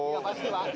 ya pasti pak